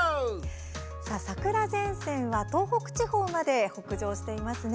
桜前線は東北地方まで北上しています。